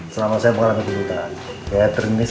selama saya bukan letakientes